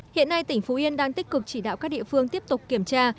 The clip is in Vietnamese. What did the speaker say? hiện nay tỉnh phú yên đang tích cực chỉ đạo các địa phương tiếp tục kiểm tra